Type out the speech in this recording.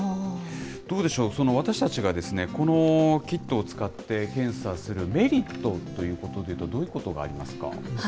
どうでしょう、私たちがこのキットを使って検査するメリットということでいうと、どういうことがありますか。